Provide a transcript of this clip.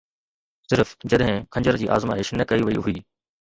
صرف جڏهن خنجر جي آزمائش نه ڪئي وئي هئي